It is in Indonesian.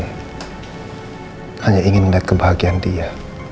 hai hanya ingin lihat kebahagiaan dia